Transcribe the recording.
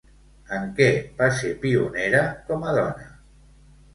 En què va ser pionera com a dona?